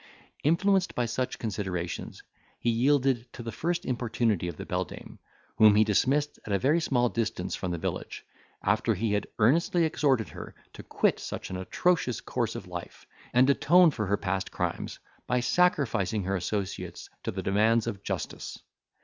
Influenced by such considerations, he yielded to the first importunity of the beldame, whom he dismissed at a very small distance from the village, after he had earnestly exhorted her to quit such an atrocious course of life, and atone for her past crimes, by sacrificing her associates to the demands of justice.